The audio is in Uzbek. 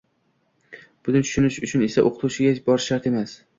Buni tushunish uchun esa oʻqituvchiga borish shart emas.